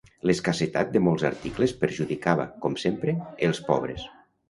L'escassetat de molts articles perjudicava, com sempre els pobres